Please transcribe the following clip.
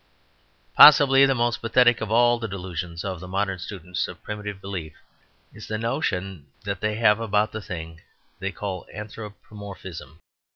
Possibly the most pathetic of all the delusions of the modern students of primitive belief is the notion they have about the thing they call anthropomorphism.